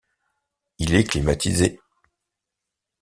Il est climatisé.